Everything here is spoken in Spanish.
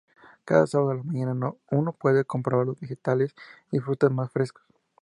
Cada sábado a la mañana uno puede comprar los vegetales y frutas más frescos.